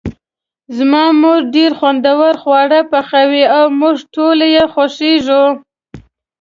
زما مور ډیر خوندور خواړه پخوي او موږ ټول یی خوښیږو